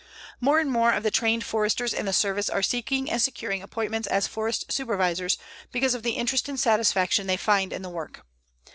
More and more of the trained Foresters in the Service are seeking and securing appointments as Forest Supervisors because of the interest and satisfaction they find in the work.